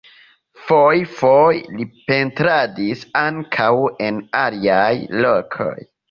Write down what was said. Foje-foje li pentradis ankaŭ en aliaj lokoj.